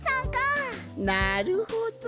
なるほど！